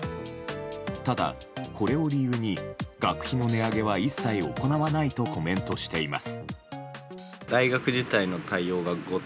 ただ、これを理由に学費の値上げは一切行わないとコメントしています。